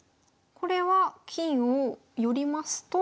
これは金を寄りますと。